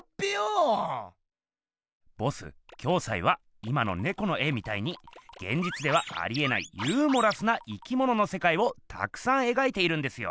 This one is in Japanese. ボス暁斎は今の猫の絵みたいにげんじつではありえないユーモラスな生きもののせかいをたくさんえがいているんですよ。